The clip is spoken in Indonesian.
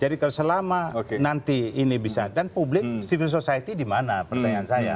jadi kalau selama nanti ini bisa dan publik civil society dimana pertanyaan saya